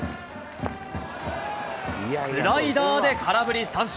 スライダーで空振り三振。